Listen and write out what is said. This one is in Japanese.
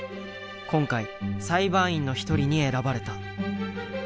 今回裁判員の一人に選ばれた。